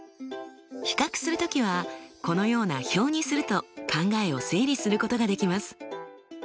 比較する時はこのような表にすると考えを整理することができます。